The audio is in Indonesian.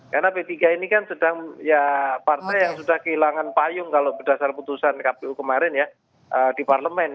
karena p tiga ini kan sedang ya partai yang sudah kehilangan payung kalau berdasar putusan kpu kemarin ya di parlemen